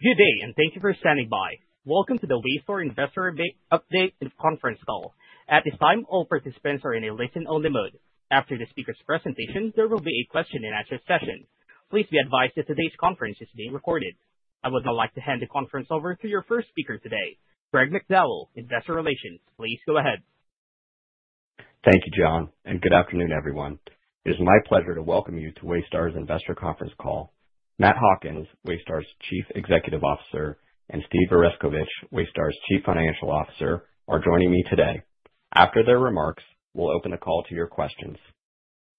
Good day and thank you for standing by. Welcome to the Waystar Investor Update Conference Call. At this time all participants are in a listen only mode. After the speaker's presentation, there will be a question and answer session. Please be advised that today's conference is being recorded. I would now like to hand the conference over to your first speaker today, Greg McDowell, Investor Relations. Please go ahead. Thank you John and good afternoon everyone. It is my pleasure to welcome you to Waystar's investor conference call. Matt Hawkins, Waystar's Chief Executive Officer, and Steve Oreskovich, Waystar's Chief Financial Officer, are joining me today. After their remarks, we'll open the call to your questions.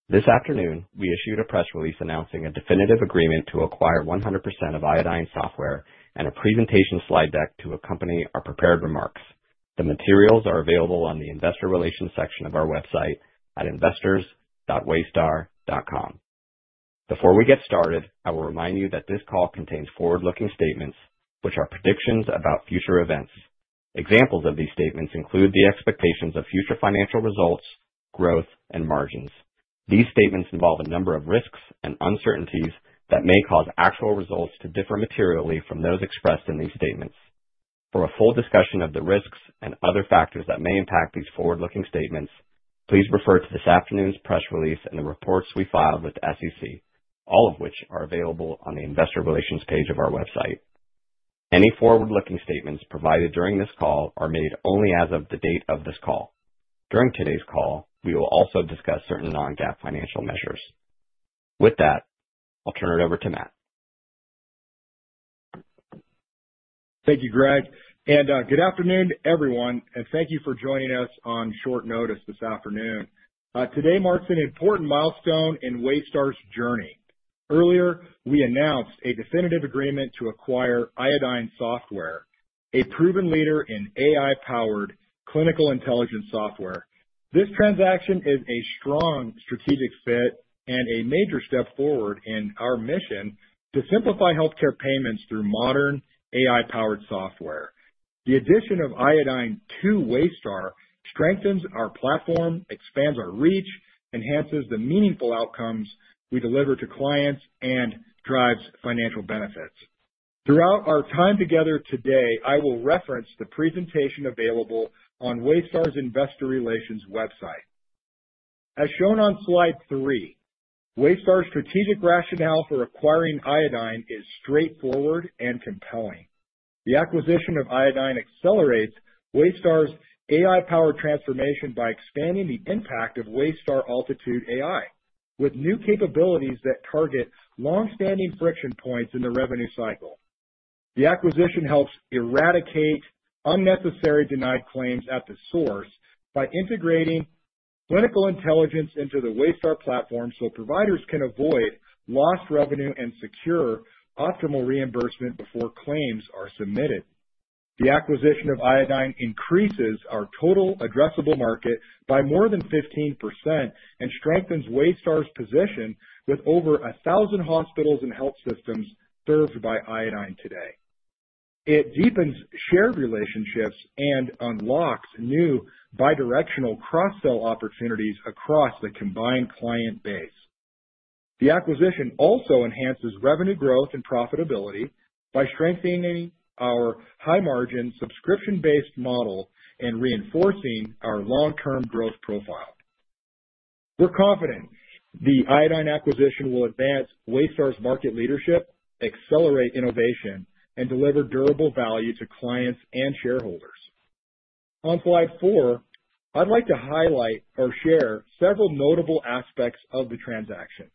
This afternoon we issued a press release announcing a definitive agreement to acquire 100% of Iodine Software and a presentation slide deck to accompany our prepared remarks. The materials are available on the Investor Relations section of our website at Investors. Before we get started, I will remind you that this call contains forward looking statements which are predictions about future events. Examples of these statements include the expectations of future financial results, growth, and margins. These statements involve a number of risks and uncertainties that may cause actual results to differ materially from those expressed in these statements. For a full discussion of the risks and other factors that may impact these forward looking statements, please refer to this afternoon's press release and the reports we filed with the SEC, all of which are available on the Investor Relations page of our website. Any forward looking statements provided during this call are made only as of the date of this call. During today's call we will also discuss certain non-GAAP financial measures. With that, I'll turn it over to Matt. Thank you Greg and good afternoon everyone and thank you for joining us on short notice this afternoon. Thank you. Today marks an important milestone in Waystar's journey. Earlier we announced a definitive agreement to acquire Iodine Software, a proven leader in AI-powered clinical intelligence software. This transaction is a strong strategic fit and a major step forward in our mission to simplify healthcare payments through modern AI-powered software. The addition of Iodine to Waystar strengthens our platform, expands our reach, enhances the meaningful outcomes we deliver to clients, and drives financial benefits throughout our time together. Today I will reference the presentation available on Waystar's investor relations website. As shown on slide 3, Waystar's strategic rationale for acquiring Iodine is straightforward and compelling. The acquisition of Iodine accelerates Waystar's AI-powered transformation by expanding the impact of Waystar AltitudeAI with new capabilities that target long-standing friction points in the revenue cycle. The acquisition helps eradicate unnecessary denied claims at the source by integrating clinical intelligence into the Waystar platform so providers can avoid lost revenue and secure optimal reimbursement before claims are submitted. The acquisition of Iodine increases our total addressable market by more than 15% and strengthens Waystar's position with over 1,000 hospitals and health systems served by Iodine today. It deepens shared relationships and unlocks new bi-directional cross-sell opportunities across the combined client base. The acquisition also enhances revenue growth and profitability by strengthening our high-margin subscription-based model and reinforcing our long-term growth profile. We're confident the Iodine acquisition will advance Waystar's market leadership, accelerate innovation, and deliver durable value to clients and shareholders. On slide 4, I'd like to highlight or share several notable aspects of the transaction.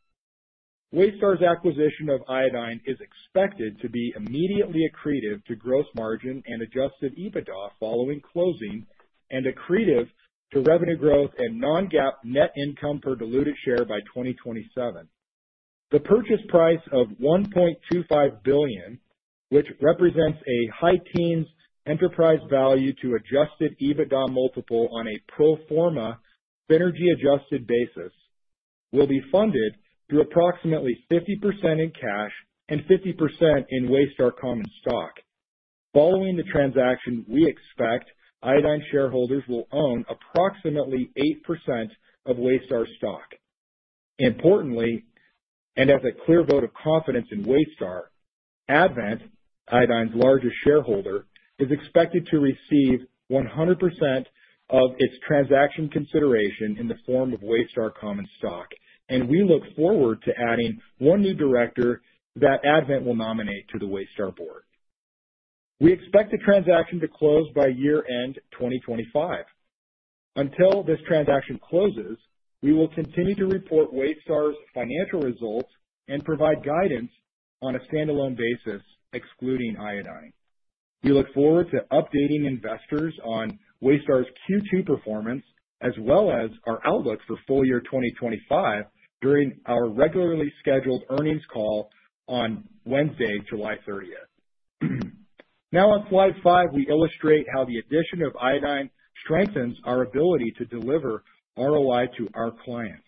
Waystar's acquisition of Iodine is expected to be immediately accretive to gross margin and adjusted EBITDA following closing and accretive to revenue growth and non-GAAP net income per diluted share by 2027. The purchase price of $1.25 billion, which represents a high teens enterprise value to adjusted EBITDA multiple on a pro forma synergy adjusted basis, will be funded through approximately 50% in cash and 50% in Waystar common stock. Following the transaction, we expect Iodine shareholders will own approximately 8% of Waystar stock. Importantly, and as a clear vote of confidence in Waystar, Advent, Iodine's largest shareholder, is expected to receive 100% of its transaction consideration in the form of Waystar common stock, and we look forward to adding one new director that Advent will nominate to the Waystar Board. We expect the transaction to close by year end 2025. Until this transaction closes, we will continue to report Waystar's financial results and provide guidance on a stand-alone basis excluding Iodine. We look forward to updating investors on Waystar's Q2 performance as well as our outlook for full year 2025 during our regularly scheduled earnings call on Wednesday, July 30th. Now on Slide 5, we illustrate how the addition of Iodine strengthens our ability to deliver ROI to our clients.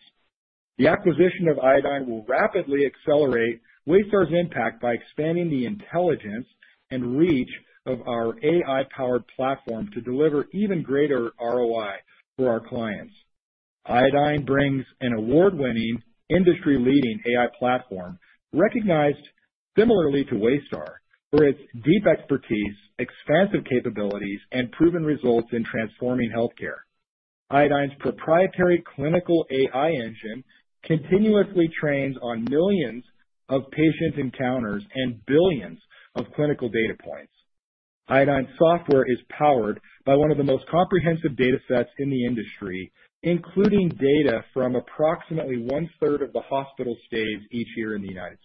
The acquisition of Iodine will rapidly accelerate Waystar's impact by expanding the intelligence and reach of our AI-powered platform to deliver even greater ROI for our clients. Iodine brings an award-winning, industry-leading AI platform recognized similarly to Waystar for its deep expertise, expansive capabilities, and proven results in transforming healthcare. Iodine's proprietary clinical AI engine continuously trains on millions of patient encounters and billions of clinical data points. Iodine's software is powered by one of the most comprehensive data sets in the industry, including data from approximately 1/3 of the hospital stays each year in the U.S.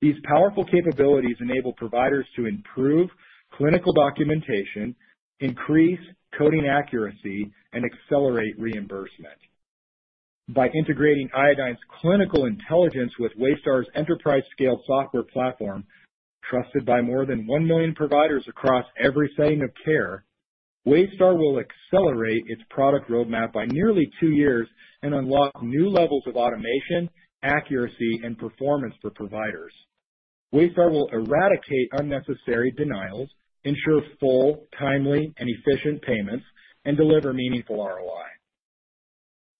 These powerful capabilities enable providers to improve clinical documentation, increase coding accuracy, and accelerate reimbursement by integrating Iodine's clinical intelligence with Waystar's enterprise-scale software platform. Trusted by more than 1 million providers across every setting of care, Waystar will accelerate its product roadmap by nearly two years and unlock new levels of automation, accuracy, and performance for providers. Waystar will eradicate unnecessary denials and ensure full, timely, and efficient payments and deliver meaningful ROI.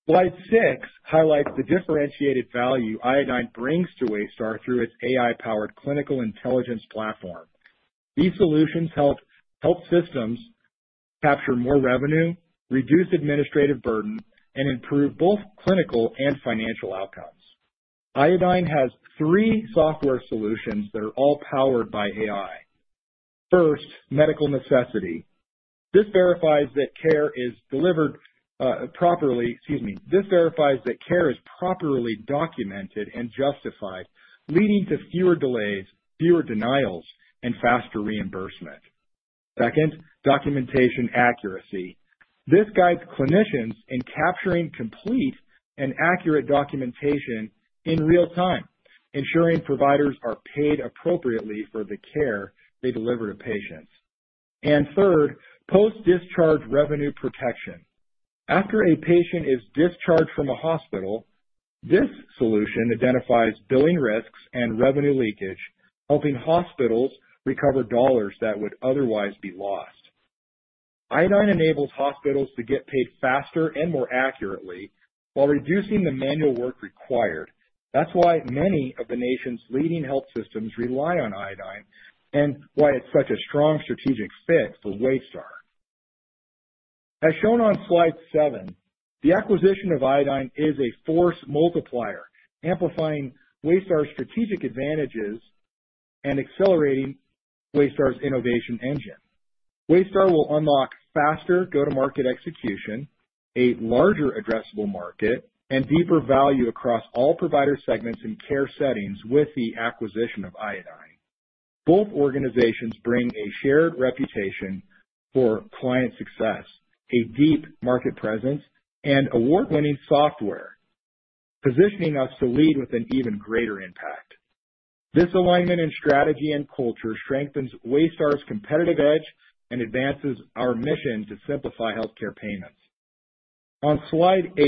Slide 6 highlights the differentiated value Iodine brings to Waystar through its AI-powered clinical intelligence platform. These solutions help systems capture more revenue, reduce administrative burden, and improve both clinical and financial outcomes. Iodine has three software solutions that are all powered by AI. First, Medical Necessity. This verifies that care is properly documented and justified, leading to fewer delays, fewer denials, and faster reimbursement. Second, Documentation Accuracy. This guides clinicians in capturing complete and accurate documentation in real time, ensuring providers are paid appropriately for the care they deliver to patients, and third, Post-Discharge Revenue Protection after a patient is discharged from a hospital. This solution identifies billing risks and revenue leakage, helping hospitals recover dollars that would otherwise be lost. Iodine enables hospitals to get paid faster and more accurately while reducing the manual work required. That's why many of the nation's leading health systems rely on Iodine and why it's such a strong strategic fit for Waystar. As shown on slide 7, the acquisition of Iodine is a force multiplier, amplifying Waystar's strategic advantages and accelerating Waystar's innovation engine. Waystar will unlock faster go-to-market execution, a larger addressable market, and deeper value across all provider segments and care settings. With the acquisition of Iodine, both organizations bring a shared reputation for client success, a deep market presence, and award-winning software, positioning us to lead with an even greater impact. This alignment in strategy and culture strengthens Waystar's competitive edge and advances our mission to simplify healthcare payments. On slide 8,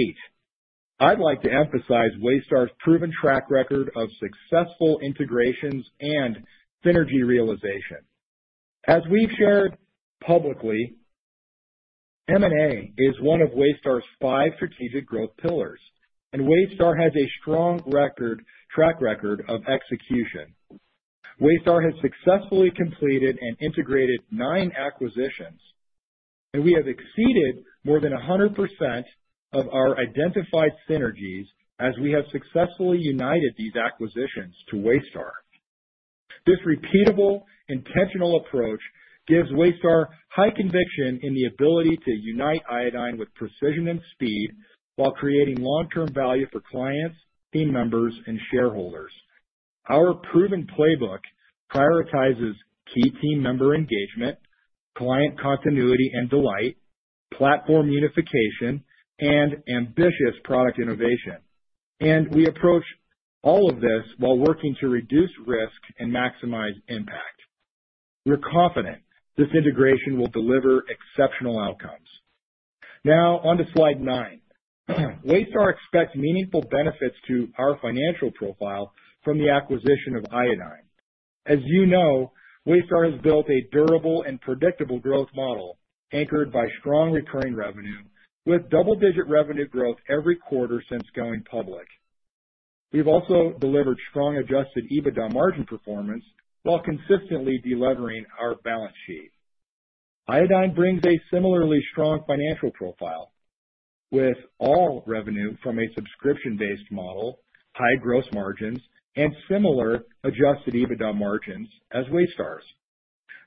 I'd like to emphasize Waystar's proven track record of successful integrations and synergy realization. As we've shared publicly, M&A is one of Waystar's five strategic growth pillars, and Waystar has a strong track record of execution. Waystar has successfully completed and integrated nine acquisitions, and we have exceeded more than 100% of our identified synergies as we have successfully united these acquisitions to Waystar. This repeatable, intentional approach gives Waystar high conviction in the ability to unite Iodine with precision and speed while creating long-term value for clients, team members, and shareholders. Our proven playbook prioritizes key team member engagement, client continuity and delight, platform unification, and ambitious product innovation, and we approach all of this while working to reduce risk and maximize impact. We're confident this integration will deliver exceptional outcomes. Now onto slide 9. Waystar expects meaningful benefits to our financial profile from the acquisition of Iodine. As you know, Waystar has built a durable and predictable growth model anchored by strong recurring revenue with double-digit revenue growth every quarter since going public. We've also delivered strong adjusted EBITDA margin performance while consistently delevering our balance sheet. Iodine brings a similarly strong financial profile with all revenue from a subscription-based model, high gross margins, and similar adjusted EBITDA margins. As Waystar,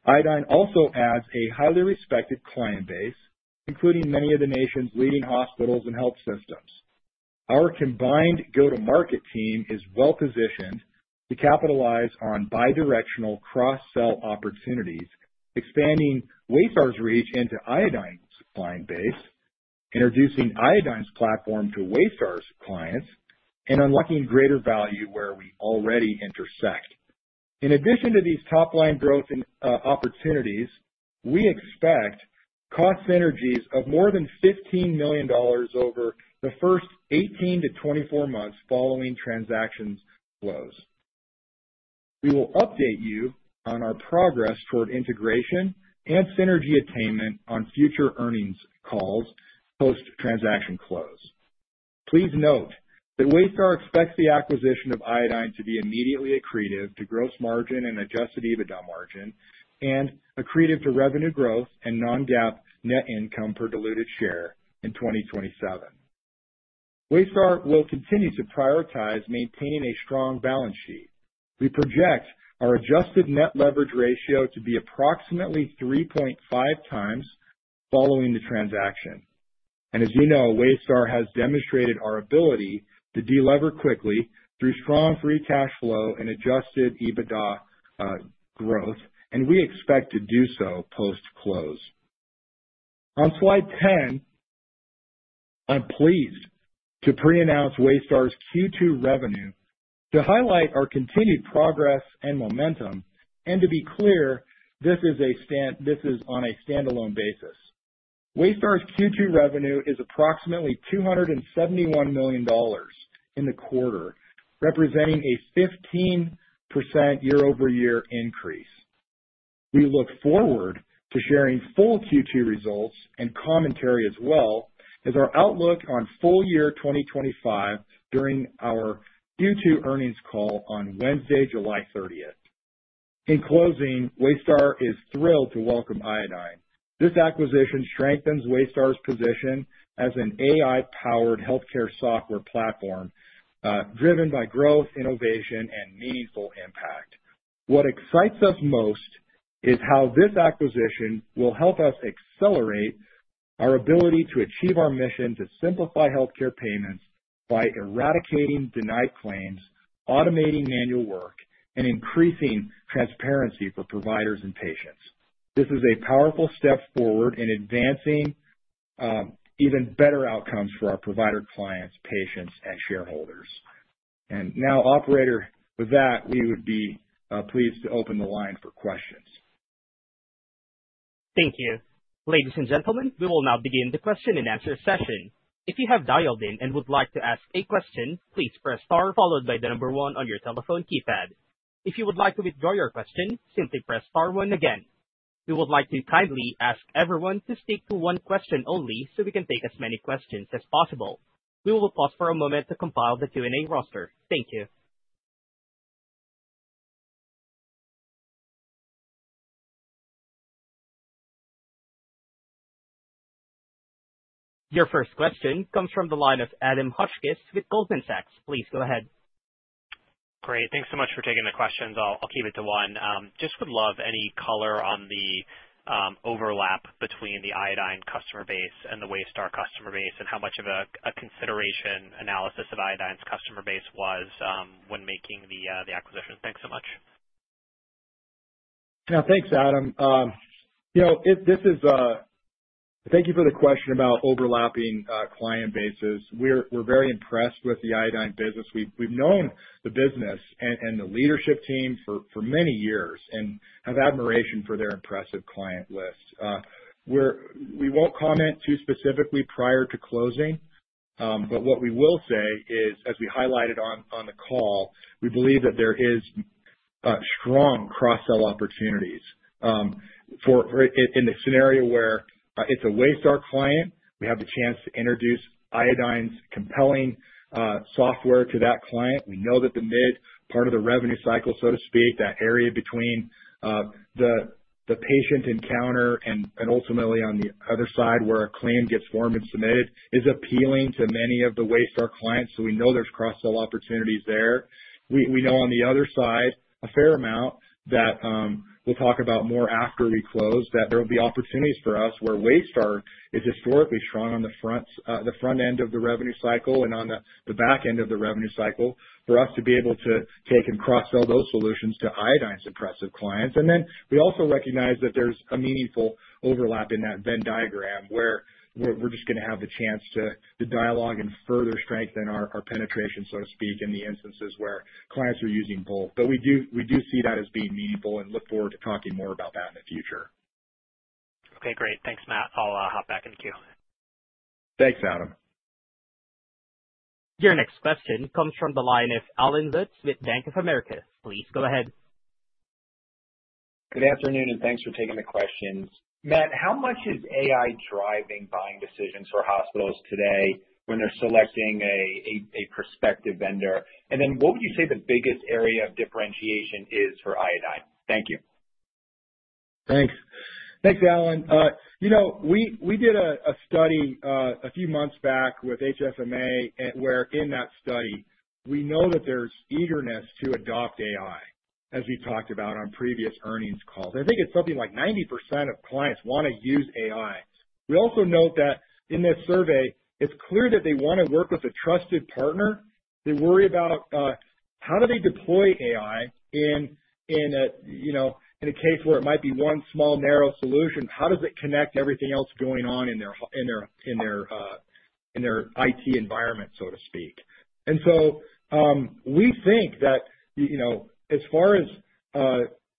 Iodine also adds a highly respected client base including many of the nation's leading hospitals and health systems. Our combined go-to-market team is well positioned to capitalize on bidirectional cross-sell opportunities, expanding Waystar's reach into Iodine's client base, introducing Iodine's platform to Waystar's clients, and unlocking greater value where we already intersect. In addition to these top-line growth opportunities, we expect cost synergies of more than $15 million over the first 18-24 months following transaction close. We will update you on our progress toward integration and synergy attainment on future earnings calls post-transaction close. Please note that Waystar expects the acquisition of Iodine to be immediately accretive to gross margin and adjusted EBITDA margin, and accretive to revenue growth and non-GAAP net income per diluted share in 2027. Waystar will continue to prioritize maintaining a strong balance sheet. We project our adjusted net leverage ratio to be approximately 3.5x following the transaction. As you know, Waystar has demonstrated our ability to delever quickly through strong free cash flow and adjusted EBITDA growth, and we expect to do so post-close. On slide 10, I'm pleased to preannounce Waystar's Q2 revenue to highlight our continued progress and momentum. To be clear, this is on a standalone basis. Waystar's Q2 revenue is approximately $271 million in the quarter, representing a 15% year-over-year increase. We look forward to sharing full Q2 results and commentary as well as our outlook on full year 2025 during our Q2 earnings call on Wednesday, July 30th. In closing, Waystar is thrilled to welcome Iodine. This acquisition strengthens Waystar's position as an AI-powered healthcare software platform driven by growth, innovation, and meaningful impact. What excites us most is how this acquisition will help us accelerate our ability to achieve our mission to simplify healthcare payments by eradicating denied claims, automating manual work, and increasing transparency for providers and patients. This is a powerful step forward in advancing even better outcomes for our provider clients, patients, and shareholders. Operator, with that, we would be pleased to open the line for questions. Thank you, ladies and gentlemen. We will now begin the question and answer session. If you have dialed in and would like to ask a question, please press star followed by the number one on your telephone keypad. If you would like to withdraw your question, simply press star one. Again, we would like to kindly ask everyone to stick to one question only so we can take as many questions as possible. We will pause for a moment to compile the Q&A roster. Thank you. Your first question comes from the line of Adam Hotchkiss with Goldman Sachs. Please go ahead. Great, thanks so much for taking the questions. I'll keep it to one. Just would love any color on the overlap between the Iodine customer base and the Waystar customer base and how much of a consideration analysis of Iodine's customer base was when making the acquisition. Thanks so much. Thanks, Adam. Thank you for the question about overlapping client bases. We're very impressed with the Iodine business. We've known the business and the leadership team for many years and have admiration for their impressive client list. We won't comment too specifically prior to closing, but what we will say is, as we highlighted on the call, we believe that there are strong cross-sell opportunities in the scenario where it's a Waystar client. We have the chance to introduce Iodine's compelling software to that client. We know that the mid part of the revenue cycle, so to speak, that area between the patient encounter and ultimately on the other side where a claim gets formed and submitted, is appealing to many of the Waystar clients. We know there are cross-sell opportunities there. We know on the other side a fair amount that we'll talk about more after we close, that there will be opportunities for us where Waystar is historically strong on the front end of the revenue cycle and on the back end of the revenue cycle for us to be able to take and cross-sell those solutions to Iodine's impressive clients. We also recognize that there's a meaningful overlap in that Venn diagram where we're just going to have the chance to dialogue and further strengthen our penetration, so to speak, in the instances where clients are using both. We do see that as being meaningful and look forward to talking more about that in the future. Okay, great. Thanks, Matt. I'll hop back in queue. Thanks. Adam. Your next question comes from the line of Allen Lutz with Bank of America Securities. Please go ahead. Good afternoon and thanks for taking the questions. Matt, how much is AI driving buying decisions for hospitals today when they're selecting a prospective vendor? And then what would you say the biggest area of differentiation is for Iodine? Thank you. Thanks. Thanks, Allen. You know, we did a study a few months back with HS, where in that study we know that there's eagerness to adopt AI. As we talked about on previous earnings calls, I think it's something like 90% of clients want to use AI. We also note that in this survey it's clear that they want to work with a trusted partner. They worry about how do they deploy AI in a case where it might be one small, narrow solution, how does it connect everything else going on in their IT environment, so to speak. We think that as far as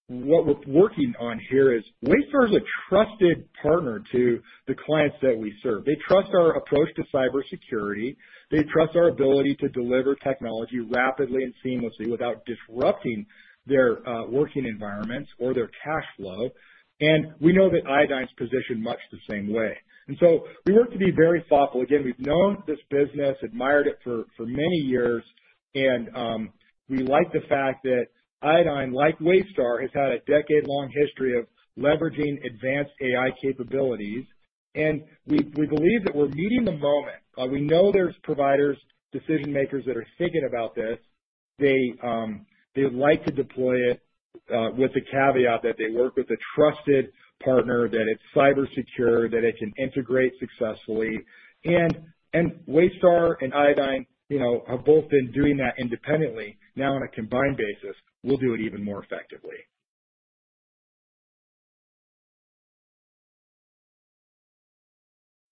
what we're working on here is Waystar is a trusted partner to the clients that we serve. They trust our approach to cybersecurity. They trust our ability to deliver technology rapidly and seamlessly without disrupting their working environments or their cash flow. We know that Iodine's positioned much the same way. We work to be very thoughtful again. We've known this business, admired it for many years. We like the fact that Iodine, like Waystar, has had a decade-long history of leveraging advanced AI-powered capabilities. We believe that we're meeting the moment. We know there's providers, decision makers that are thinking about this. They would like to deploy it with the caveat that they work with a trusted partner, that it's cybersecure, that it can integrate successfully. Waystar and Iodine have both been doing that independently. Now on a combined basis, we'll do it even more effectively.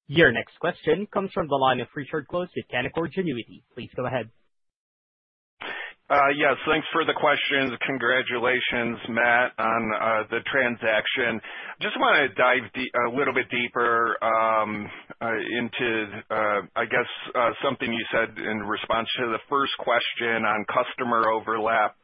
Your next question comes from the line of Richard Close with Canaccord Genuity. Go ahead. Yes, thanks for the questions. Congratulations, Matt, on the transaction. Just want to dive a little bit deeper into, I guess, something you said in response to the first question on customer overlap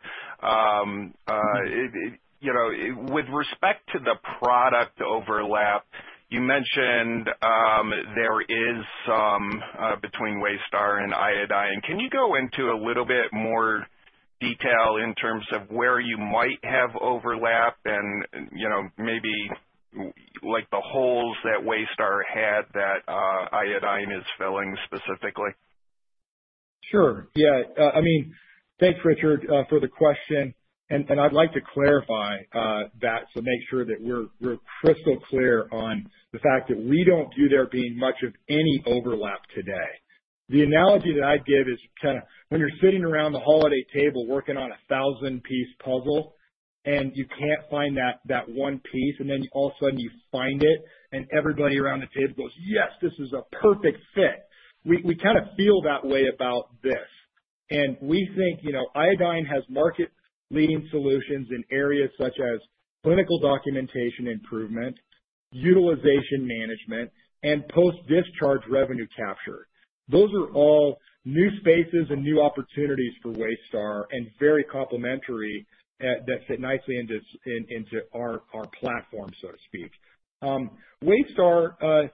with respect to the product overlap. You mentioned there is some between Waystar and Iodine. Can you go into a little bit detail in terms of where you might have overlap and maybe like the holes that Waystar had that Iodine is filling specifically. Sure, yeah. I mean, thanks Richard for the question, and I'd like to clarify that to make sure that we're crystal clear on the fact that we don't see there being much of any overlap today. The analogy that I give is when you're sitting around the holiday table working on a thousand-piece puzzle and you can't find that one piece, and then all of a sudden you find it and everybody around the table goes, yes, this is a perfect fit. We kind of feel that way about this, and we think Iodine has market-leading solutions in areas such as clinical documentation, improvement, utilization management, and post-discharge revenue capture. Those are all new spaces and new opportunities for Waystar and very complementary that fit nicely into our platform, so to speak. Waystar,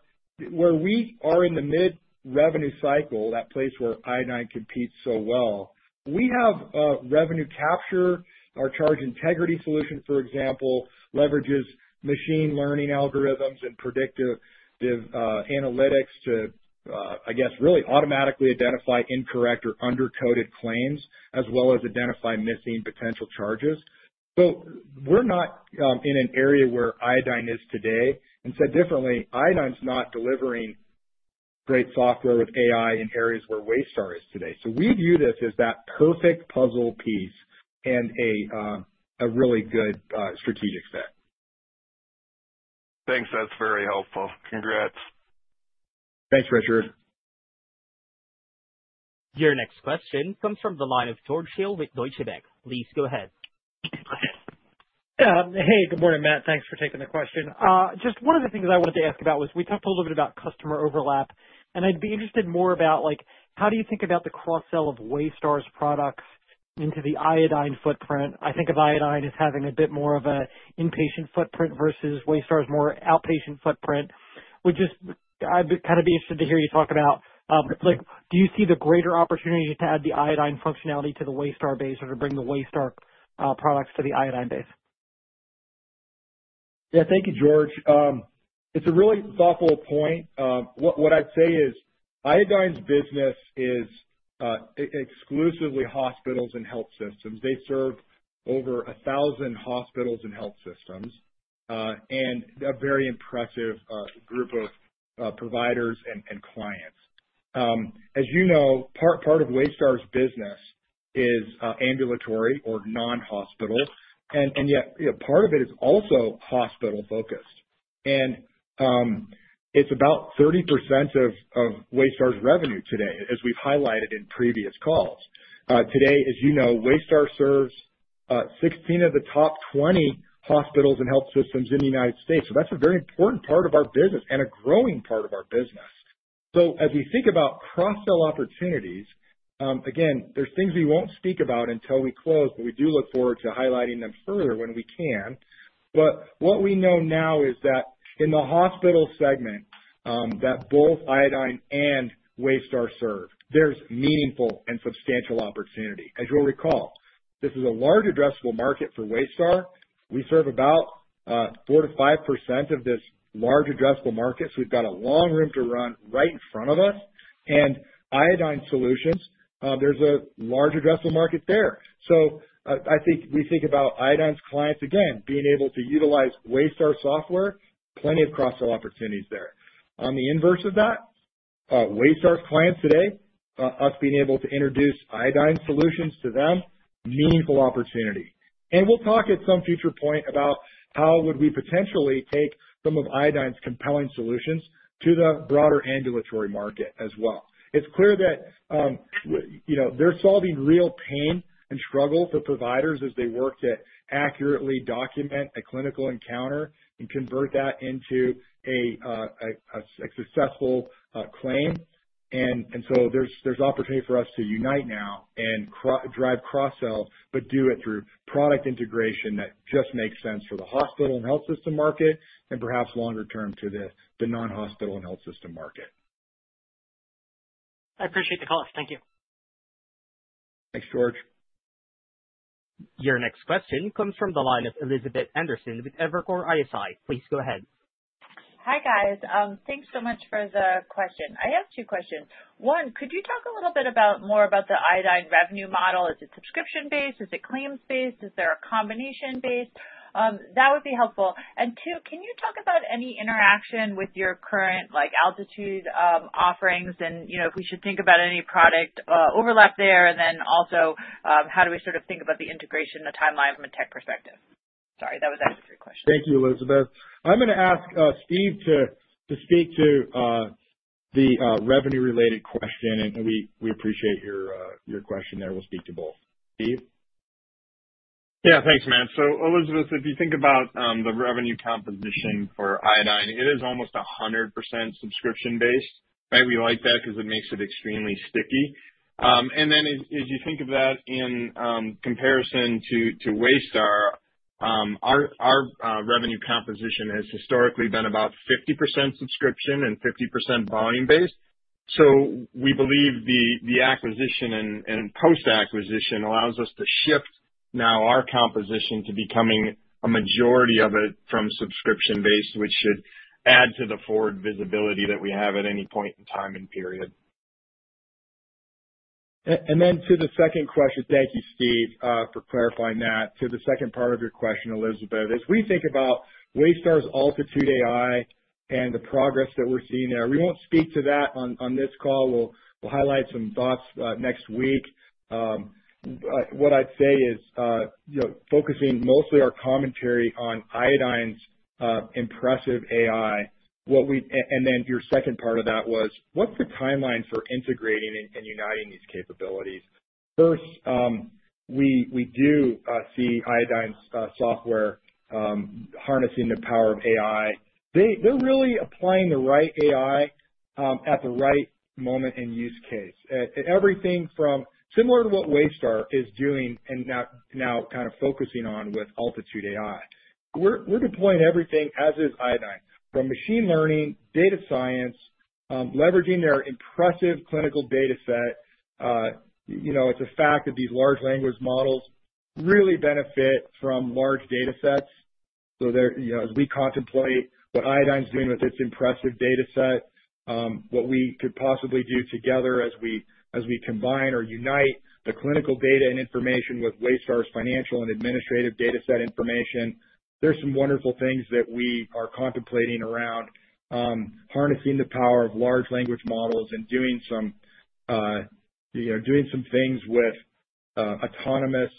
where we are in the mid-revenue cycle, that place where Iodine competes so well, we have revenue capture. Our charge integrity solution, for example, leverages machine learning algorithms and predictive analytics to, I guess, really automatically identify incorrect or under-coded claims as well as identify missing potential charges. We're not in an area where Iodine is today. Said differently, Iodine's not delivering great software with AI in areas where Waystar is today. We view this as that perfect puzzle piece and a really good strategic fit. Thanks, that's very helpful. Congrats. Thanks Richard. Your next question comes from the line of George Hill with Deutsche Bank. Please go ahead. Hey, good morning Matt. Thanks for taking the question. Just one of the things I wanted to ask about was we talked a little bit about customer overlap, and I'd be interested more about how do you think about the cross-sell of Waystar's products into the Iodine footprint. I think of Iodine as having a bit more of an inpatient footprint versus Waystar's more outpatient footprint. I'd kind of be interested to hear you talk about do you see the greater opportunity to add the Iodine functionality to the Waystar base or to bring the Waystar products to the Iodine base? Yeah, thank you George. It's a really thoughtful point. What I'd say is Iodine's business is exclusively hospitals and health systems. They serve over 1,000 hospitals and health systems and a very impressive group of providers and clients. As you know, part of Waystar's business is ambulatory or non-hospital, and yet part of it is also hospital-focused, and it's about 30% of Waystar's revenue today. As we've highlighted in previous calls today, as you know, Waystar serves 16 of the top 20 hospitals and health systems in the U.S. That's a very important part of our business and a growing part of our business. As we think about cross-sell opportunities, there are things we won't speak about until we close, but we do look forward to highlighting them further when we can. What we know now is that in the hospital segment that both Iodine and Waystar serve, there's meaningful and substantial opportunity. As you'll recall, this is a large addressable market for Waystar. We serve about 4%-5% of this large addressable market. We've got a long room to run right in front of us. In Iodine solutions, there's a large addressable market there. I think we think about Iodine's clients again being able to utilize Waystar software, plenty of cross-sell opportunities there. On the inverse of that, Waystar's clients today, us being able to introduce Iodine solutions to them, meaningful opportunity. We'll talk at some future point about how we would potentially take some of Iodine's compelling solutions to the broader ambulatory market as well. It's clear that they're solving real pain and struggle for providers as they work to accurately document a clinical encounter and convert that into a successful claim. There's opportunity for us to unite now and drive cross-sell, but do it through product integration. That just makes sense for the hospital and health system market and perhaps longer term to the non-hospital and health system market. I appreciate the call, thank you. Thanks, George. Your next question comes from the line of Elizabeth Anderson with Evercore ISI. Please go ahead. Hi guys. Thanks so much for the question. I have two questions. One, could you talk a little bit more about the Iodine revenue model? Is it subscription-based? Is it claims-based? Is there a combination? That would be helpful. Two, can you talk about any interaction with your current AltitudeAI offerings and if we should think about any product overlap there, and then also how do we sort of think about the integration, the timeline from a tech perspective? Sorry, that was actually three questions. Thank you, Elizabeth. I'm going to ask Steve to speak to the revenue-related question and we appreciate your question there. We'll speak to both. Steve? Yeah, thanks, Matt. Elizabeth, if you think about the revenue composition for Iodine, it is almost 100% subscription based. We like that because it makes it extremely sticky. As you think of that in comparison to Waystar, our revenue composition has historically been about 50% subscription and 50% volume based. We believe the acquisition and post acquisition allows us to shift now our composition to becoming a majority of it from subscription based, which should add to the forward visibility that we have at any point in time and period. To the second question, thank you Steve for clarifying that to the second part of your question, Elizabeth. As we think about Waystar AltitudeAI and the progress that we're seeing there, we won't speak to that on this call. We'll highlight some thoughts next week. What I'd say is focusing mostly our commentary on Iodine's impressive AI. Your second part of that was what's the timeline for integrating and uniting these capabilities? First, we do see Iodine Software harnessing the power of AI. They're really applying the right AI at the right moment in use case, everything from similar to what Waystar is doing and now kind of focusing on with AltitudeAI. We're deploying everything as is Iodine from machine learning, data science, leveraging their impressive clinical data set. It's a fact that these large language models really benefit from large data sets. As we contemplate what Iodine's doing with its impressive data set, what we could possibly do together as we combine or unite the clinical data and information with Waystar's financial and administrative data set information, there are some wonderful things that we are contemplating around harnessing the power of large language models and doing some things with autonomous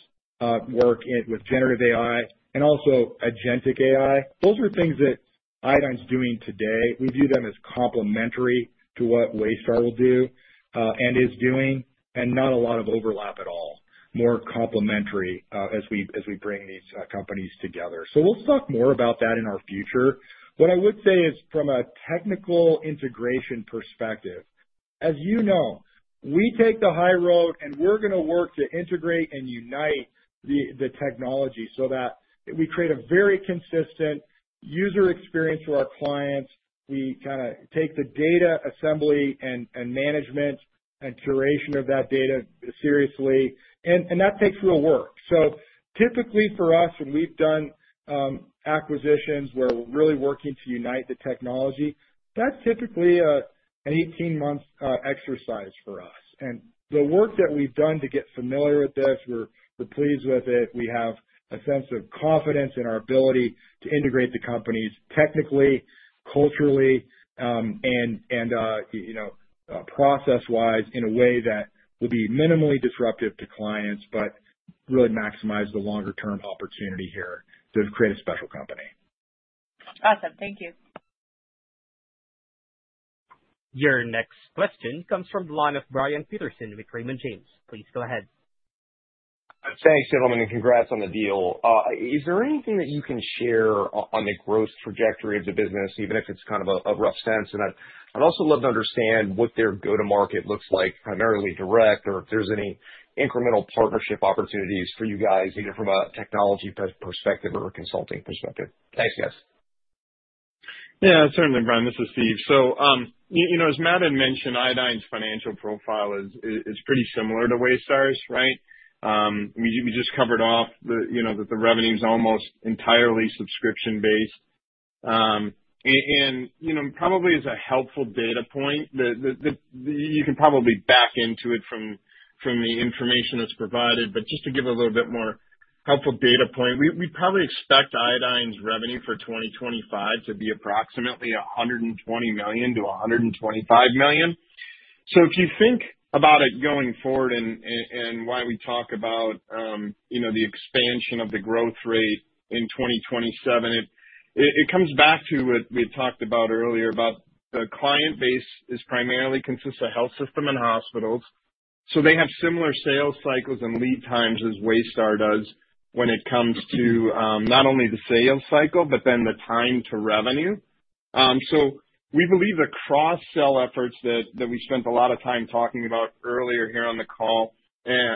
work with generative AI and also agentic AI. Those are things that Iodine's doing today. We view them as complementary to what Waystar will do and is doing and not a lot of overlap at all, more complementary as we bring these companies together. We'll talk more about that in our future. What I would say is from a technical integration perspective, as you know, we take the high road and we're going to work to integrate and unite the technology so that we create a very consistent user experience for our clients. We take the data assembly and management and curation of that data seriously and that takes real work. Typically for us, when we've done acquisitions where we're really working to unite the technology, that's typically an 18-month exercise for us. The work that we've done to get familiar with this, we're pleased with it. We have a sense of confidence in our ability to integrate the companies technically, culturally, and process wise in a way that will be minimally disruptive to clients, but really maximize the longer term opportunity here to create a special company. Thank you. Your next question comes from the line of Brian Peterson with Raymond James. Please go ahead. Thanks gentlemen and congrats on the deal. Is there anything that you can share on the growth trajectory of the business, even if it's kind of a rough sense? I'd also love to understand what their go to market looks like, primarily direct or if there's any incremental partnership opportunities for you guys, either from a technology perspective or a consulting perspective. Thanks guys. Yeah, certainly. Brian, this is Steve. As Matt had mentioned, Iodine's financial profile is pretty similar to Waystar's. We just covered off that the revenue is almost entirely subscription based and probably as a helpful data point you can probably back into it from the information that's provided. Just to give a little bit more helpful data point, we probably expect Iodine's revenue for 2025 to be approximately $120 million-$125 million. If you think about it going forward and why we talk about the expansion of the growth rate in 2027, it comes back to what we had talked about earlier about the client base primarily consists of health systems and hospitals. They have similar sales cycles and lead times as Waystar does when it comes to not only the sales cycle but then the time to revenue. We believe the cross sell efforts that we spent a lot of time talking about earlier here on the call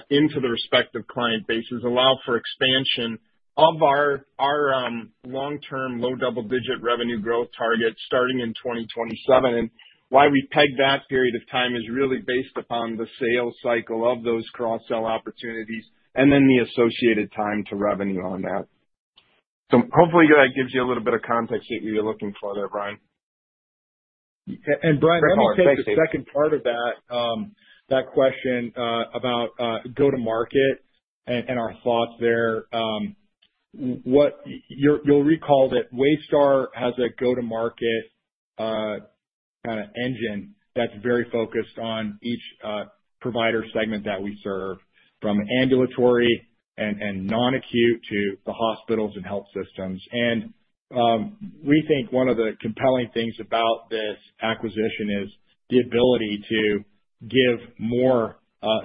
into the respective client bases allow for expansion of our long term low double digit revenue growth target starting in 2027. Why we pegged that period of time is really based upon the sales cycle of those cross sell opportunities and then the associated time to revenue on that. Hopefully that gives you a little bit of context that you're looking for there, Brian. Brian, let me take the second part of that question about go to market and our thoughts there. You'll recall that Waystar has a go to market engine that's very focused on each provider segment that we serve, from ambulatory and non-acute to the hospitals and health systems. We think one of the compelling things about this acquisition is the ability to give more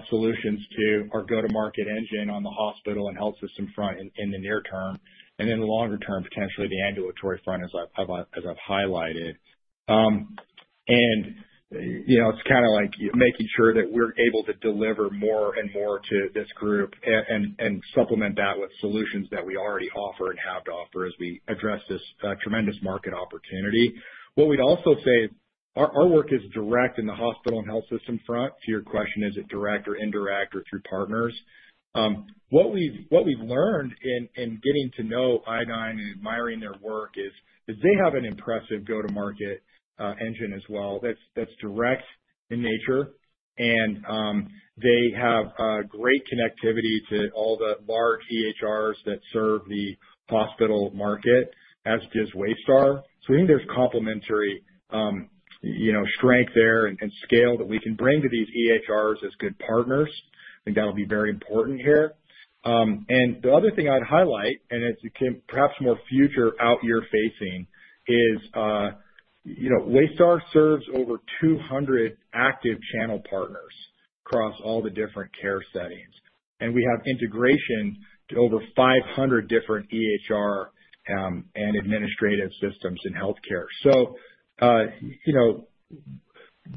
solutions to our go to market engine on the hospital and health system front in the near term and then longer term potentially the ambulatory front as I've highlighted. It's kind of like making sure that we're able to deliver more and more to this group and supplement that with solutions that we already offer and have to offer as we address this tremendous market opportunity. What we'd also say, our work is direct in the hospital and health system front. To your question, is it direct or indirect or through partners? What we've learned in getting to know Iodine and admiring their work is they have an impressive go to market engine as well that's direct in nature and they have great connectivity to all the large EHRs that serve the hospital market, as does Waystar. We think there's complementary strength there and scale that we can bring to these EHRs as good partners. I think that will be very important here. The other thing I'd highlight, and it's perhaps more future out year facing, is Waystar serves over 200 active channel partners across all the different care settings and we have integration to over 500 different EHR and administrative systems in healthcare.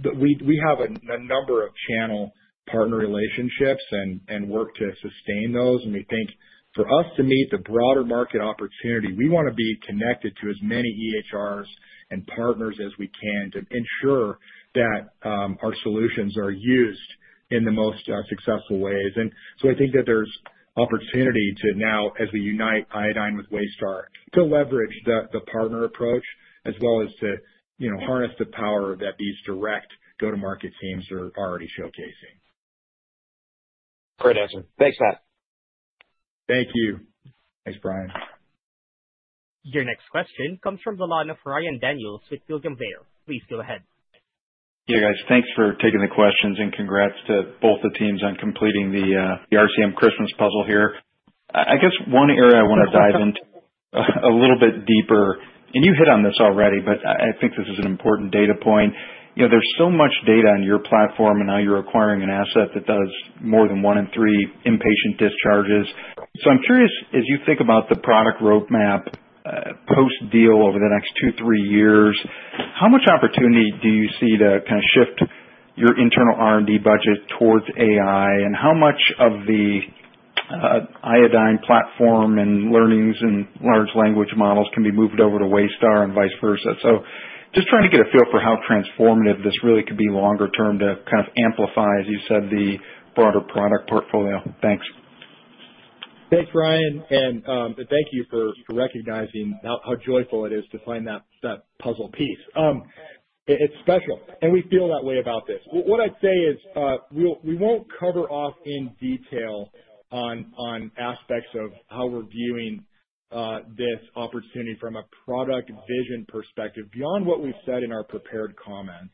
We have a number of channel partner relationships and work to sustain those. We think for us to meet the broader market opportunity, we want to be connected to as many EHRs and partners as we can to ensure that our solutions are used in the most successful ways. I think that there's opportunity to now, as we unite Iodine with Waystar, to leverage the partner approach as well as to harness the power that these direct go to market teams are already showcasing. Great answer. Thanks, Matt. Thank you. Thanks, Brian. Your next question comes from the line of Ryan Daniels with William Blair. Please go ahead. Yeah, guys, thanks for taking the questions and congrats to both the teams on completing the RCM Christmas puzzle here. I guess one area I want to dive into a little bit deeper, and you hit on this already, but I think this is an important data point. There's so much data on your platform and now you're acquiring an asset that does more than one in three inpatient discharges. I'm curious, as you think about the product roadmap post deal over the next two, three years, how much opportunity do you see to kind of shift your internal R&D budget towards AI and how much of the Iodine platform and learnings and large language models can be moved over to Waystar and vice versa. I'm just trying to get a feel for how transformative this really could be longer term to kind of amplify, as you said, the broader product portfolio. Thanks. Thanks, Ryan. Thank you for recognizing how joyful it is to find that puzzle piece. It's special and we feel that way about this. What I'd say is we won't cover off in detail on aspects of how we're viewing this opportunity from a product vision perspective beyond what we've said in our prepared comments.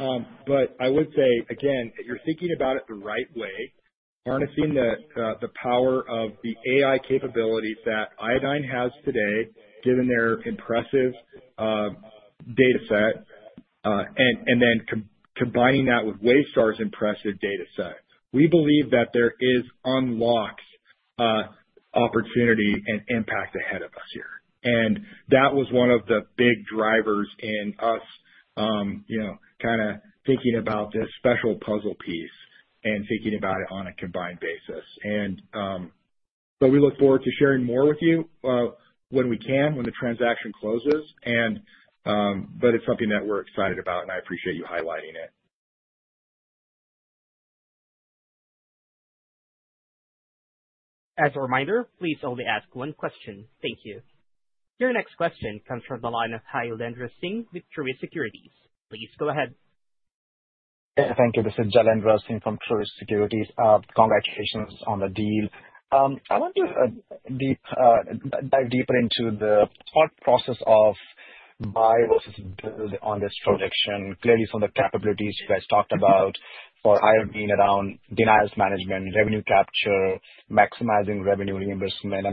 I would say again, you're thinking about it the right way. Harnessing the power of the AI-powered capabilities that Iodine has today, given their impressive data set and then combining that with Waystar's impressive data set, we believe that there is unlocked opportunity and impact ahead of us here and that was one of the big drivers in us kind of thinking about this special puzzle piece and thinking about it on a combined basis. We look forward to sharing more with you when we can when the transaction closes. It's something that we're excited about and I appreciate you highlighting it. As a reminder, please only ask one question. Thank you. Your next question comes from the line of Jailendra Singh with Truist Securities. Please go ahead. Thank you. This is Jailendra Singh from Truist Securities. Congratulations on the deal. I want to dive deeper into the thought process of buy versus build on this projection. Clearly some of the capabilities you guys talked about for Iodine being around denials management, revenue capture, maximizing revenue reimbursement.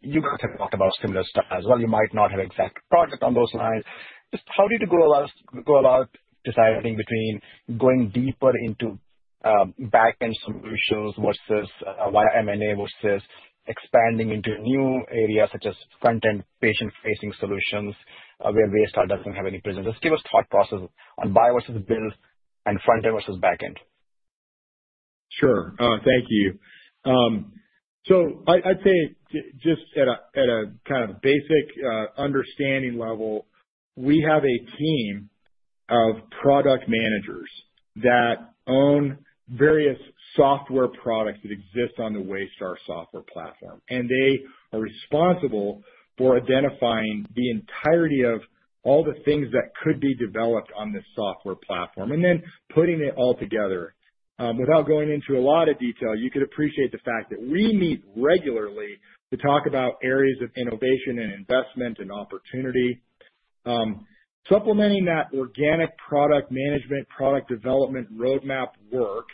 You guys have talked about similar stuff as well. You might not have exact project on those lines. Just how did you go about deciding between going deeper into backend solutions via M&A versus expanding into new areas such as content patient facing solutions where Waystar doesn't have any presence. Just give us thought process on buy versus build and front end versus back end. Sure. Thank you. I'd say just at a kind of basic understanding level, we have a team of product managers that own various software products that exist on the Waystar software platform, and they are responsible for identifying the entirety of all the things that could be developed on this software platform and then putting it all together without going into a lot of detail. You could appreciate the fact that we meet regularly to talk about areas of innovation and investment and opportunity. Supplementing that organic product management, product development roadmap work,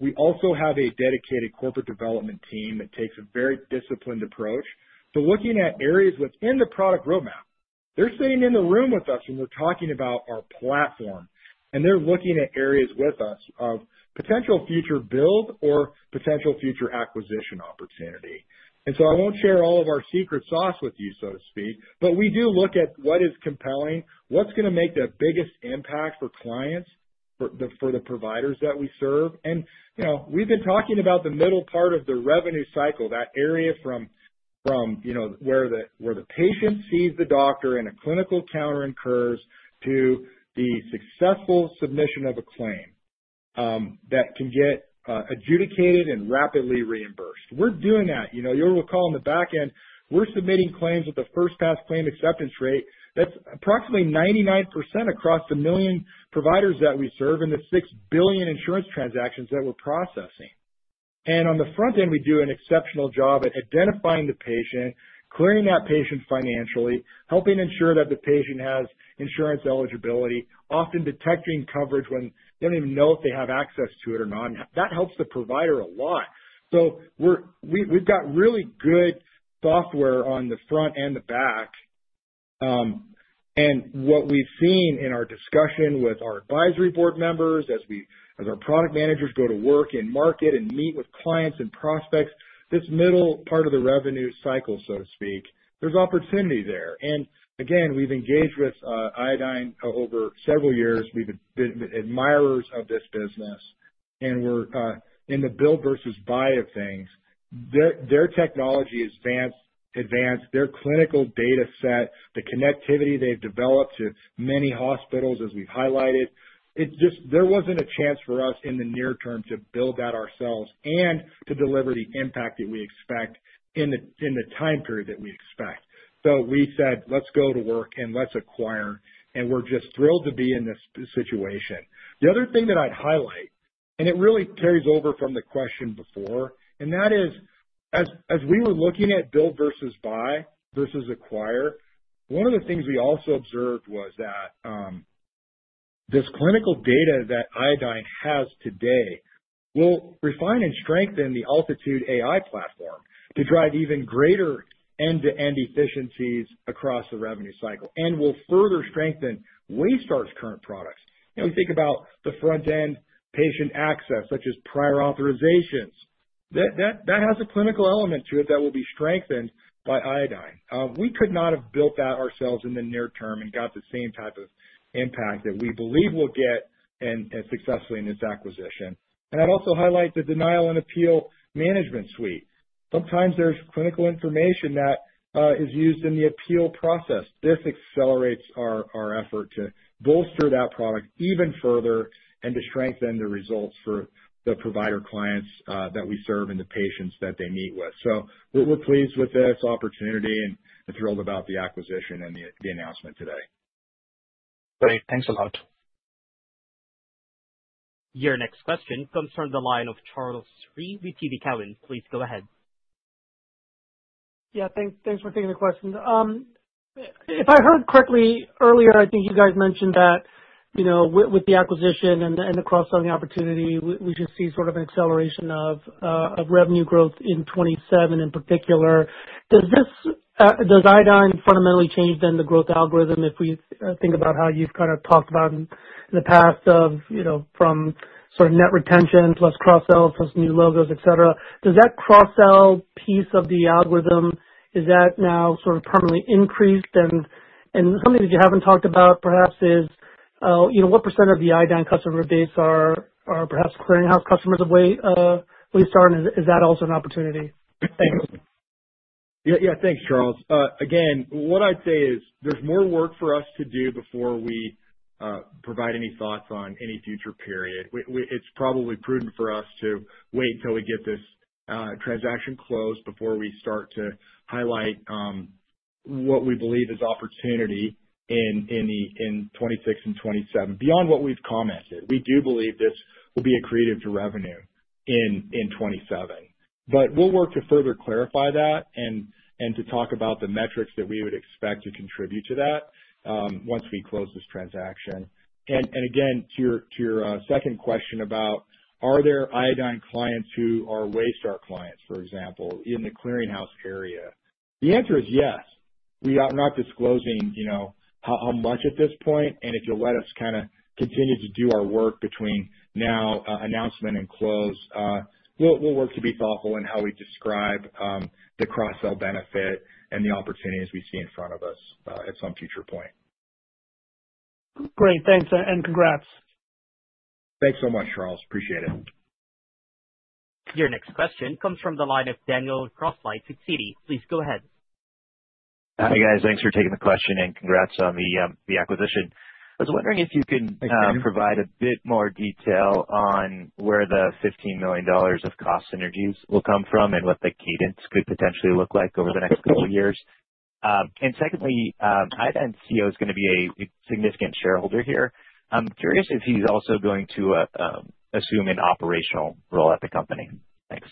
we also have a dedicated corporate development team that takes a very disciplined approach to looking at areas within the product roadmap. They're sitting in the room with us when we're talking about our platform, and they're looking at areas with us of potential future build or potential future acquisition opportunity. I won't share all of our secret sauce with you, so to speak, but we do look at what is compelling, what's going to make the biggest impact for clients, for the providers that we serve. We've been talking about the middle part of the revenue cycle, that area from where the patient sees the doctor and a clinical encounter incurs to the successful submission of a claim that can get adjudicated and rapidly reimbursed. We're doing that, you'll recall, on the back end. We're submitting claims with the first pass claim acceptance rate that's approximately 99% across the million providers that we serve in the 6 billion insurance transactions that we're processing. On the front end, we do an exceptional job at identifying the patient, clearing that patient financially, helping ensure that the patient has insurance eligibility, often detecting coverage when they don't even know if they have access to it or not. That helps the provider a lot. We've got really good software on the front and the back. What we've seen in our discussion with our advisory board members, as our product managers go to work in market and meet with clients and prospects, this middle part of the revenue cycle, so to speak, there's opportunity there. We've engaged with Iodine over several years. We've been admirers of this business, and we're in the build versus buy of things. Their technology has advanced their clinical data set, the connectivity they've developed to many hospitals as we've highlighted. There wasn't a chance for us in the near term to build that ourselves and to deliver the impact that we expect in the time period that we expect. We said let's go to work and let's acquire, and we're just thrilled to be in this situation. The other thing that I'd highlight, and it really carries over from the question before, is as we were looking at build versus buy versus acquire, one of the things we also observed was that this clinical data that Iodine has today will refine and strengthen the AltitudeAI platform to drive even greater end-to-end efficiencies across the revenue cycle and will further strengthen Waystar's current products. Think about the front-end patient access, such as prior authorizations, that has a clinical element to it that will be strengthened by Iodine. We could not have built that ourselves in the near term and got the same type of impact that we believe we'll get successfully in this acquisition. I'd also highlight the denial and appeal management suite. Sometimes there's clinical information that is used in the appeal process. This accelerates our effort to bolster that product even further and to strengthen the results for the provider clients that we serve and the patients that they meet with. We're pleased with this opportunity and thrilled about the acquisition and the announcement today. Great, thanks a lot. Your next question comes from the line of Charles Rhyee, TD Cowen, please go ahead. Yeah, thanks for taking the question. If I heard correctly earlier, I think you guys mentioned that with the acquisition and the cross-sell opportunity, we should see sort of an acceleration of revenue growth in 2027. In particular, does this, does Iodine fundamentally change then the growth algorithm? If we think about how you've kind of talked about in the past of, you know, from sort of net retention + cross-sell + new logos, et cetera, does that cross-sell piece of the algorithm, is that now sort of permanently increased and something that you haven't talked about perhaps is, you know, what percent of the Iodine customer base are or perhaps clearinghouse customers of Waystar, is that also an opportunity? Thanks. Yeah, thanks, Charles. Again, what I'd say is there's more work for us to do before we provide any thoughts on any future period. It's probably prudent for us to wait until we get this transaction closed before we start to highlight what we believe is opportunity in 2026 and 2027 beyond what we've commented. We do believe this will be accretive to revenue in 2027, but we'll work to further clarify that and to talk about the metrics that we would expect to contribute to that once we close this transaction. Again, to your second question about are there Iodine clients who are Waystar clients, for example, in the clearinghouse area? The answer is yes. We are not disclosing how much at this point. If you'll let us continue to do our work between now, announcement, and close, we'll work to be thoughtful in how we describe the cross-sell benefit and the opportunities we see in front of us at some future point. Great. Thanks and congrats. Thanks so much, Charles. Appreciate it. Your next question comes from the line of Daniel Grosslight with Citi. Please go ahead. Hi guys. Thanks for taking the question and congrats on the acquisition. I was wondering if you can provide a bit more detail on where the $15 million of cost synergies will come from and what the cadence could potentially look like over the next couple of years. Secondly, Iodine's CEO is going to be a significant shareholder here. I'm curious if he's also going to assume an operational role at the company. Thanks.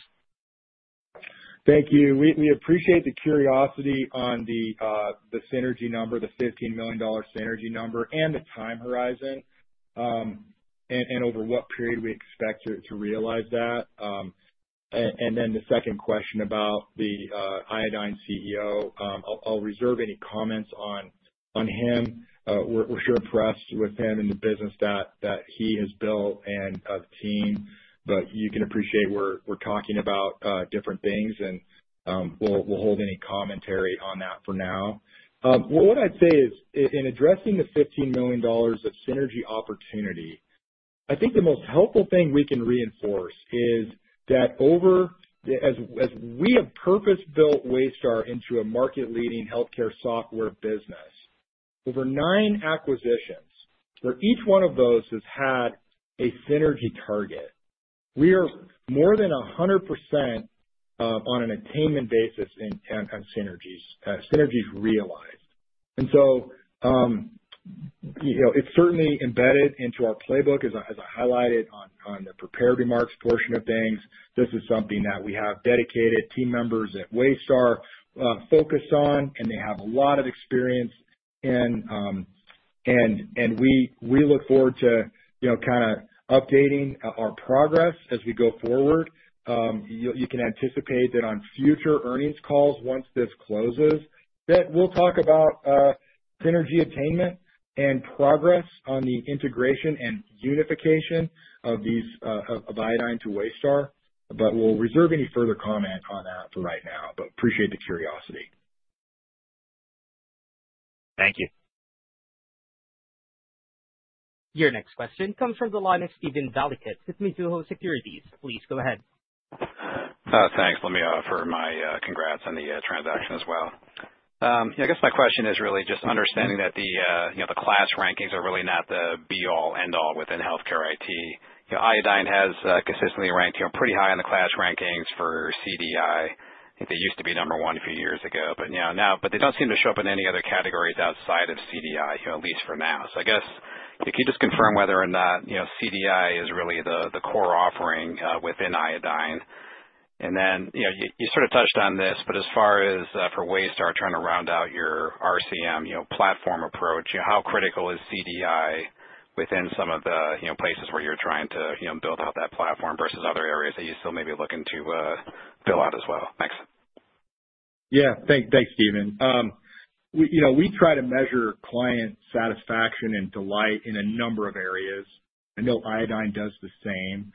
Thank you. We appreciate the curiosity on the synergy number, the $15 million synergy number and the time horizon and over what period we expect to realize that. The second question about the Iodine CEO, I'll reserve any comments on him. We're sure impressed with him and the business that he has built and the team, but you can appreciate we're talking about different things and we'll hold any commentary on that for now. What I'd say is in addressing the $15 million of synergy opportunity, I think the most helpful thing we can reinforce is that as we have purpose-built Waystar into a market-leading healthcare software business over nine acquisitions where each one of those has had a synergy target, we are more than 100% on an attainment basis in synergies realized and so it's certainly embedded into our playbook. As I highlighted on the prepared remarks portion of things, this is something that we have dedicated team members at Waystar focus on and they have a lot of experience and we look forward to updating our progress as we go forward. You can anticipate that on future earnings calls once this closes that we'll talk about synergy attainment and progress on the integration and unification of these of Iodine to Waystar. We'll reserve any further comment on that for right now. Appreciate the curiosity. Thank you. Your next question comes from the line of Steven Valiquette with Mizuho Securities. Please go ahead. Thanks. Let me offer my congrats on the transaction as well. I guess my question is really just understanding that the KLAS rankings are really not the be all end all within healthcare IT. Iodine has consistently ranked pretty high on the KLAS rankings for CDI. They used to be number one a few years ago, but they don't seem to show up in any other categories outside of CDI, at least for now. I guess can you just confirm whether or not CDI is really the core offering within Iodine? You sort of touched on this. As far as for ways to start trying to round out your RCM platform approach, how critical is CDI within some of the places where you're trying to build out that platform versus other areas that you still may be looking to fill out as well. Thanks. Yeah, thanks Steven. We try to measure client satisfaction and delight in a number of areas. I know Iodine does the same.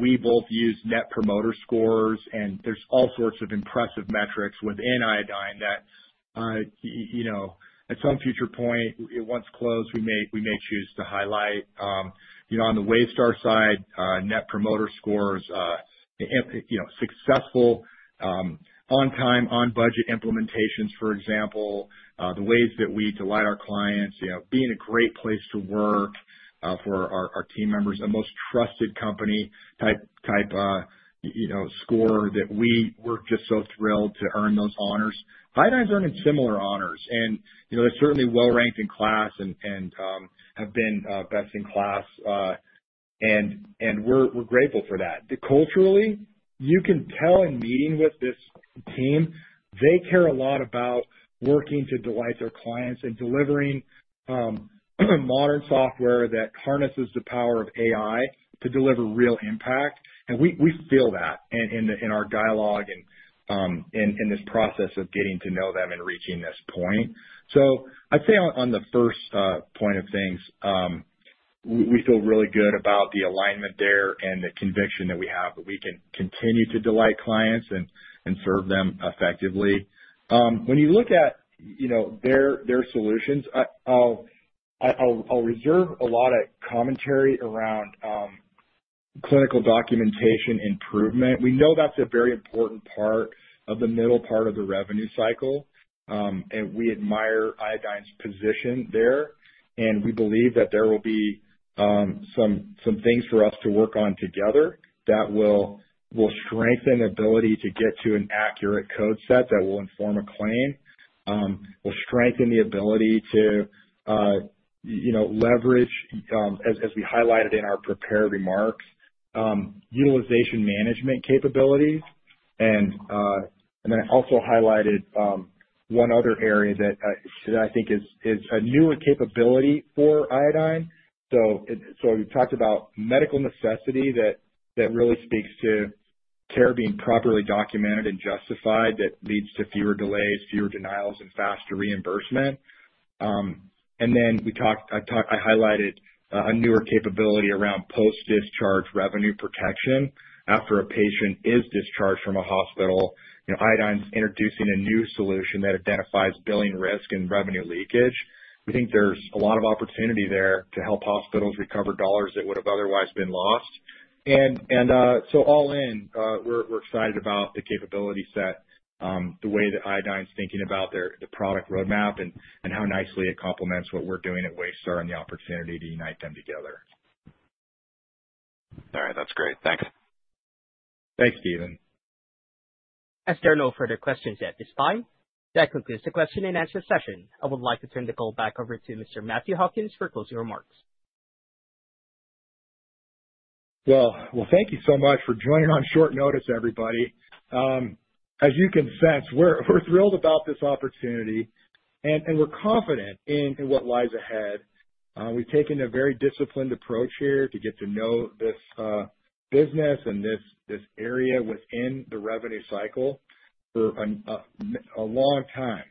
We both use Net Promoter Scores and there's all sorts of impressive metrics within Iodine that at some future point once closed we may choose to highlight on the Waystar side, Net Promoter Scores, successful on time on budget implementations, for example, the ways that we delight our clients, being a great place to work for our team members, the most trusted company type score that we were just so thrilled to earn those honors. Iodine's earning similar honors, and they're certainly well ranked in KLAS and have been best in class, and we're grateful for that. Culturally, you can tell in meeting with this team, they care a lot about working to delight their clients and delivering modern software that harnesses the power of AI to deliver real impact. We feel that in our dialogue, in this process of getting to know them and reaching this point. I'd say on the first point of things, we feel really good about the alignment there and the conviction that we have that we can continue to delight clients and serve them effectively. When you look at their solutions, I'll reserve a lot of commentary around clinical documentation improvement. We know that's a very important part of the middle part of the revenue cycle, and we admire Iodine's position there. We believe that there will be some things for us to work on together that will strengthen ability to get to an accurate code set that will inform a claim, will strengthen the ability to leverage, as we highlighted in our prepared remarks, utilization management capabilities. We also highlighted one other area that I think is a newer capability for Iodine. We talked about Medical Necessity that really speaks to care being properly documented and justified. That leads to fewer delays, fewer denials, and faster reimbursement. We highlighted a newer capability around Post-Discharge Revenue Protection. After a patient is discharged from a hospital, Iodine's introducing a new solution that identifies billing risk and revenue leakage. We think there's a lot of opportunity there to help hospitals recover dollars that would have otherwise been lost. All in, we're excited about the capability set, the way that Iodine's thinking about the product roadmap, and how nicely it complements what we're doing at Waystar and the opportunity to unite them together. All right, that's great. Thanks. Thanks, Steven. As there are no further questions at this time, that concludes the question and answer session. I would like to turn the call back over to Mr. Matthew Hawkins for closing remarks. Thank you so much for joining on short notice, everybody. As you can sense, we're thrilled about this opportunity and we're confident in what lies ahead. We've taken a very disciplined approach here to get to know this business and this area within the revenue cycle for a long time.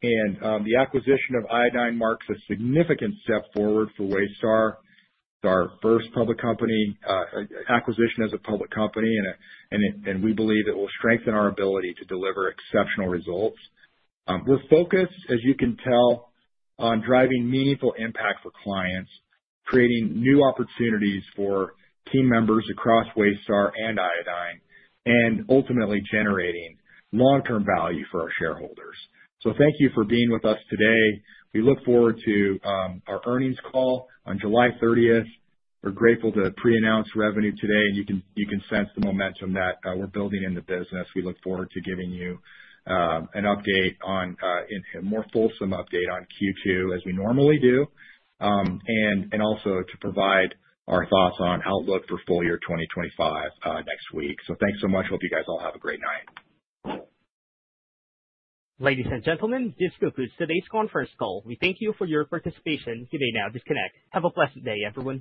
The acquisition of Iodine marks a significant step forward for Waystar, our first public company acquisition as a public company. We believe it will strengthen our ability to deliver exceptional results. We're focused, as you can tell, on driving meaningful impact for clients, creating new opportunities for team members across Waystar and Iodine, and ultimately generating long-term value for our shareholders. Thank you for being with us today. We look forward to our earnings call on July 30th. We're grateful to preannounce revenue today and you can sense the momentum that we're building in the business. We look forward to giving you a more fulsome update on Q2 as we normally do, and also to provide our thoughts on outlook for full year 2025 next week. Thanks so much. Hope you guys all have a great night. Ladies and gentlemen, this concludes today's conference call. We thank you for your participation. You may now disconnect. Have a blessed day everyone.